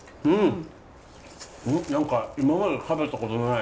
何か今まで食べたことのない。